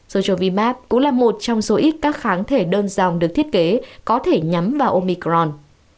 sotral vimat cũng là một trong số ít các kháng thể đơn dòng được thiết kế có thể nhắm vào omicron